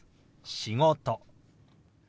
「仕事」。